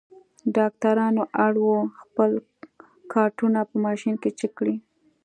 ډاکټران اړ وو خپل کارټونه په ماشین کې چک کړي.